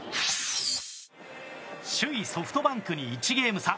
首位ソフトバンクに１ゲーム差。